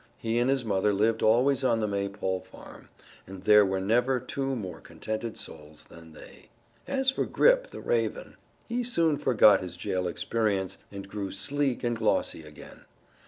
He and his mother lived always on the Maypole farm, and there were never two more contented souls than they. As for Grip, the raven, he soon forgot his jail experience and grew sleek and glossy again.